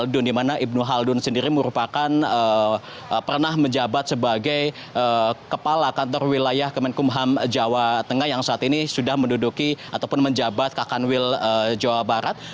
dimana ibnu haldun sendiri merupakan pernah menjabat sebagai kepala kantor wilayah kemenkumham jawa tengah yang saat ini sudah menduduki ataupun menjabat kakanwil jawa barat